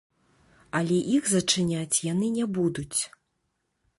Але іх зачыняць яны не будуць.